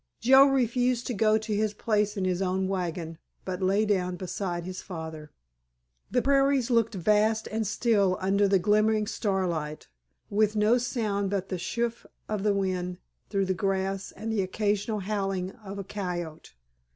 Joe refused to go to his place in his own wagon, but lay down beside his father. The prairies looked vast and still under the glimmering starlight with no sound but the sough of the wind through the grass and the occasional howling of a coyote.